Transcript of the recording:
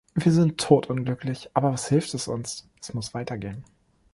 Wir sind todunglücklich, aber was hilft es uns? Es muss weitergehen.